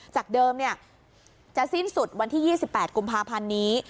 จากเดิมจะสิ้นสุดวันที่๒๘กุมภาพันธ์นี้